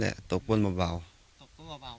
มันน่าจะปกติบ้านเรามีก้านมะยมไหม